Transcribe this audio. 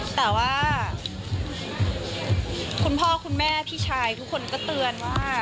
แต่ว่าคุณพ่อคุณแม่พี่ชายทุกคนก็เตือนว่า